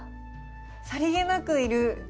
さりげなくいる。